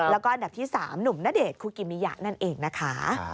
แล้วก็อันดับที่๓หนุ่มณเดชนคุกิมิยะนั่นเองนะคะ